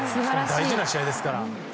大事な試合ですから。